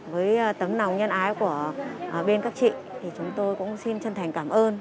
với tấm nòng nhân ái của bên các chị chúng tôi cũng xin chân thành cảm ơn